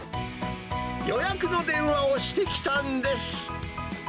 予約の電話をしてきたんです。